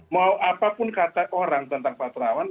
mau apapun kata orang tentang patrawan